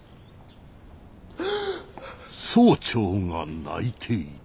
総長が泣いていた。